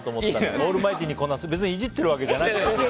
オールマイティーにこなす別にいじっているわけじゃなくて。